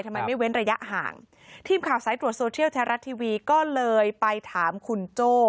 ทำไมไม่เว้นระยะห่างทีมข่าวสายตรวจโซเทียลแท้รัฐทีวีก็เลยไปถามคุณโจ้